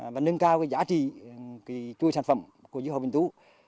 và nâng cao giá trị chuỗi sản phẩm của dưa hấu vĩnh tú